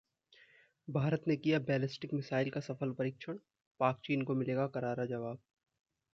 भारत ने किया ballistic missile का सफल परीक्षण, पाक-चीन को मिलेगा करारा जवाब